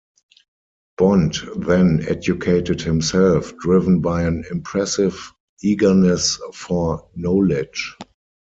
Bond then educated himself, driven by an impressive eagerness for knowledge.